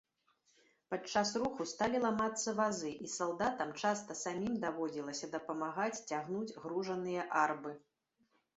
Падчас руху сталі ламацца вазы, і салдатам часта самім даводзілася дапамагаць цягнуць гружаныя арбы.